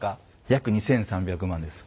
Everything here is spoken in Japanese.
約２，３００万です。